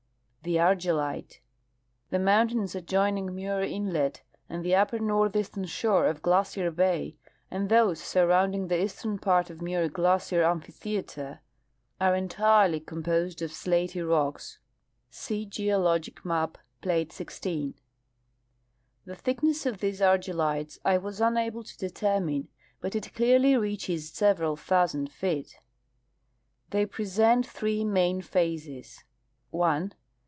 The Argillite. — The mountains adjoining Muir inlet and the upper northeastern shore of Glacier bay and those surrounding the eastern part of Muir glacier amphitheater are entirely com posed of slaty rocks (see geologic map, plate 16). The thickness of these argillites I was unable to determine, but it clearly reaches several thousand feet. They present three main phases : 1 .